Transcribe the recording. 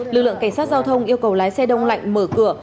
lực lượng cảnh sát giao thông yêu cầu lái xe đông lạnh mở cửa